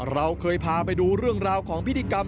เราเคยพาไปดูเรื่องราวของพิธีกรรม